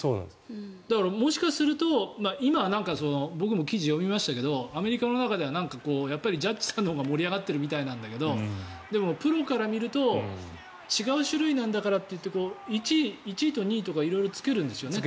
もしかすると今は僕も記事を読みましたけどアメリカの中ではジャッジさんのほうが盛り上がってるみたいなんだけどでも、プロから見ると違う種類なんだからって１位と２位とか色々つけるんですよね。